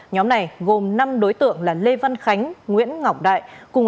nhóm này gồm năm đối tượng là lê văn khánh nguyễn ngọc đại